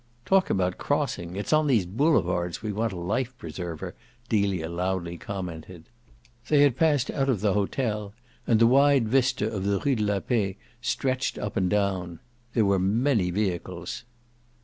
"Talk about crossing it's on these boulevards we want a life preserver!" Delia loudly commented. They had passed out of the hotel and the wide vista of the Rue de la Paix stretched up and down. There were many vehicles.